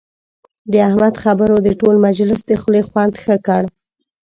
د احمد خبرو د ټول مجلس د خولې خوند ښه کړ.